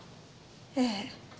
ええ。